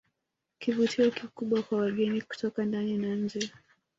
Kivutio kikubwa kwa wageni kutoka ndani na nje